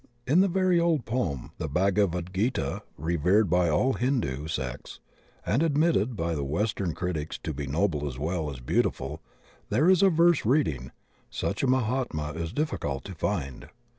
In the very old poem the Bhagavad Gita, revered by all Hindu sects and admitted by the western critics to be noble as well as beautiful, there is a verse reading, "Such a Mahatma is difficult to find."